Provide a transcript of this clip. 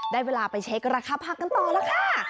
ได้เวลาไปเช็คราคาผักกันต่อแล้วค่ะ